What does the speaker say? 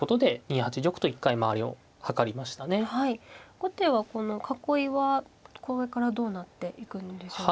後手はこの囲いはこれからどうなっていくんでしょうか。